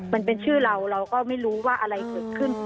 มันเป็นชื่อเราเราก็ไม่รู้ว่าอะไรเกิดขึ้น